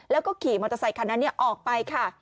แล้วก็ขี่มอเตอร์ไซคันนั้นออกไปค่ะ